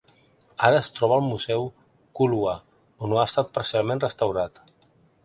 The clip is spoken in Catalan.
Ara es troba al museu Goolwa, on ha estat parcialment restaurat.